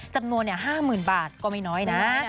จำนวนนี่ห้าหมื่นบาทก็ไม่น้อยนะ